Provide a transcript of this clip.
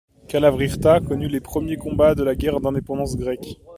Kalávryta connut les premiers combats de la Guerre d'indépendance grecque.